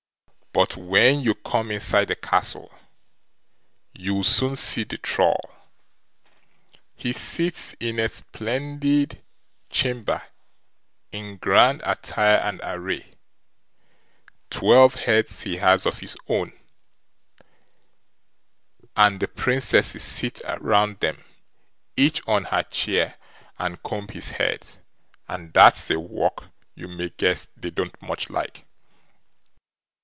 But when you come inside the castle, you'll soon see the Troll; he sits in a splendid chamber in grand attire and array; twelve heads he has of his own, and the Princesses sit round them, each on her chair, and comb his heads, and that's a work you may guess they don't much like.